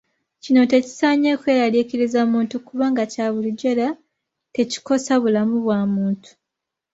Kino tekisaanye kweraliikiriza muntu kubanga kya bulijjo era tekikosa bulamu bwa muntu.